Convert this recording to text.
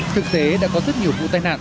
thực tế đã có rất nhiều vụ tai nạn